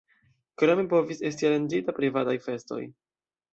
Krome povis esti aranĝitaj privataj festoj.